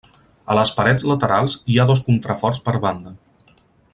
A les parets laterals hi ha dos contraforts per banda.